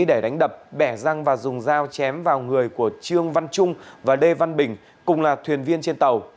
để đánh đập bẻ răng và dùng dao chém vào người của trương văn trung và lê văn bình cùng là thuyền viên trên tàu